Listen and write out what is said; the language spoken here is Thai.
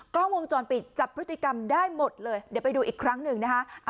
กล้องวงจรปิดจับพฤติกรรมได้หมดเลยเดี๋ยวไปดูอีกครั้งหนึ่งนะคะ